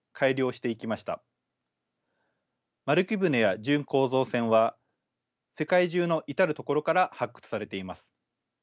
丸木舟や準構造船は世界中の至る所から発掘されています。